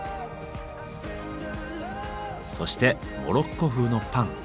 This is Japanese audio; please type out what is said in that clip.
そしてモロッコ風のパン。